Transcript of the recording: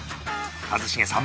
一茂さん